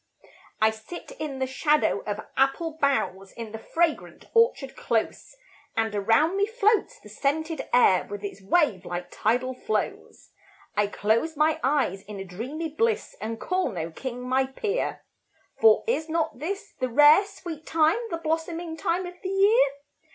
I sit in the shadow of apple boughs, In the fragrant orchard close, And around me floats the scented air, With its wave like tidal flows. I close my eyes in a dreamy bliss, And call no king my peer; For is not this the rare, sweet time, The blossoming time of the year?